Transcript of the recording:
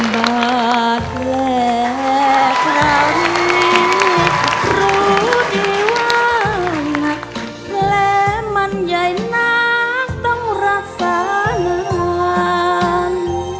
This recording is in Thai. บาทแหลกเราที่รู้ดีว่างักและมันใหญ่นักต้องรักษาหลัง